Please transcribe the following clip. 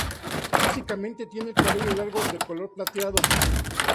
Físicamente tiene el cabello largo y de color plateado.